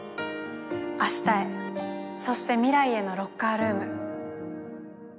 明日へ、そして未来へのロッカールーム。